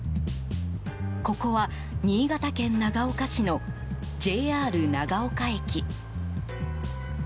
ここは新潟県長岡市のＪＲ長岡駅。